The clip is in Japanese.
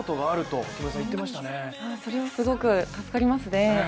それもすごく助かりますよね。